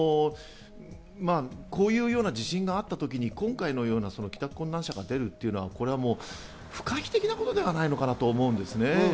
こういう地震があったときに今回のような帰宅困難者が出るというのは、不可避的なことだと思うんです。